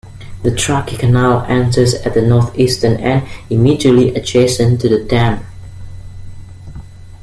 The Truckee Canal enters at the northeastern end, immediately adjacent to the dam.